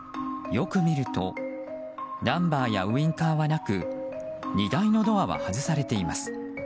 よく見るとナンバーやウィンカーはなく荷台のドアは外されています。